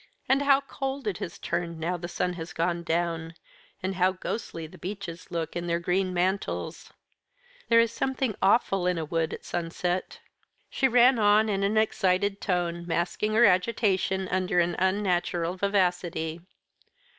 And how cold it has turned now the sun has gone down; and how ghostly the beeches look in their green mantles; there is something awful in a wood at sunset." She ran on in an excited tone, masking her agitation under an unnatural vivacity.